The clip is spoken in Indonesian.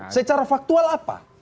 secara faktual apa